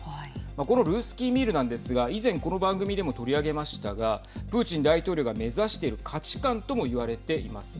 このルースキーミールなんですが以前この番組でも取り上げましたがプーチン大統領が目指している価値観とも言われています。